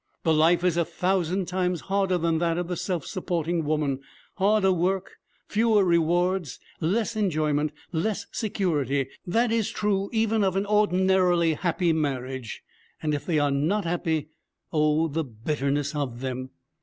'The life is a thousand times harder than that of the self supporting woman harder work, fewer rewards, less enjoyment, less security. That is true even of an ordinarily happy marriage. And if they are not happy Oh, the bitterness of them!'